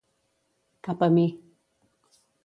Cap a mi.